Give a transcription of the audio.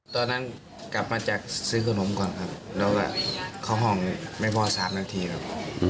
ตอนนั้นกลับมาจากซื้อขนมก่อนครับแล้วก็เข้าห้องไม่พอ๓นาทีครับ